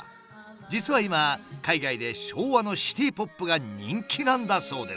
実は今海外で昭和のシティポップが人気なんだそうです。